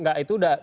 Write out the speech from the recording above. enggak itu sudah